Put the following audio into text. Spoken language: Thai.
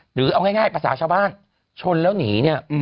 หรือเอาง่ายประสาทชาวบ้านชนแล้วหนี